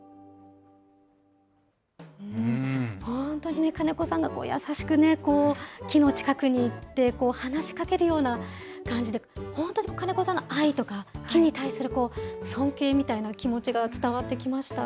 本当にね、金子さんが優しくね、木の近くに行って、話しかけるような感じで、本当に金子さんの愛とか、木に対する尊敬みたいな気持ちが伝わってきました。